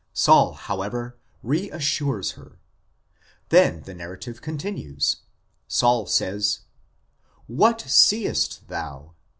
Saul, however, reassures her. Then the narrative continues ; Saul says :" What seest thou